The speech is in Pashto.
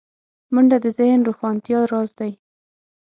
منډه د ذهن روښانتیا راز دی